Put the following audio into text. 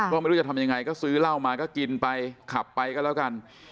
ก็ไม่รู้จะทำยังไงก็ซื้อเหล้ามาก็กินไปขับไปก็แล้วกัน